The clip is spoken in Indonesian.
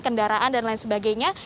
kendaraan dan lain sebagainya